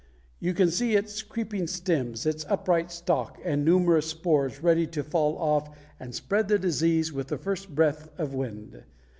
You can see its creeping stems, its upright stalk, and numerous spores ready to fall off and spread the disease with the first breath of wind.